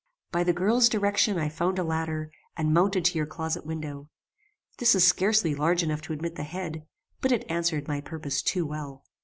"By the girl's direction I found a ladder, and mounted to your closet window. This is scarcely large enough to admit the head, but it answered my purpose too well.